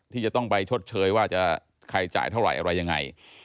ที่จะต้องไปชดเชยว่าจะใครจ่ายเท่าไหร่อะไรยังไง